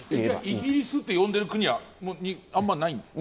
イギリスって呼んでる国はあまりないんですか？